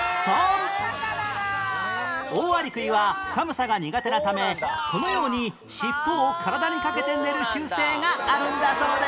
オオアリクイは寒さが苦手なためこのように尻尾を体にかけて寝る習性があるんだそうです